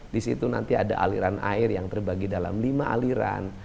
di situ nanti ada aliran air yang terbagi dalam lima aliran